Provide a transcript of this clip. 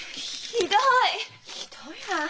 ひどいわ。